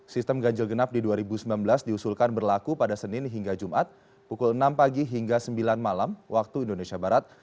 sistem ganjil genap di dua ribu sembilan belas diusulkan berlaku pada senin hingga jumat pukul enam pagi hingga sembilan malam waktu indonesia barat